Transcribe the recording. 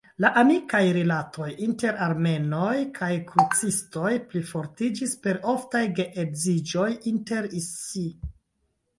La amikaj rilatoj inter armenoj kaj krucistoj plifortiĝis per oftaj geedziĝoj inter si.